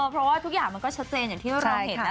เพราะว่าทุกอย่างมันก็ชัดเจนอย่างที่เราเห็นนะ